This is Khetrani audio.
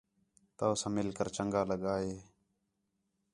تَوساں مِل کر چَنڳا لڳا ہے